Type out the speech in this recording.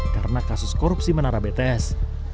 karena kasus korupsi menara bts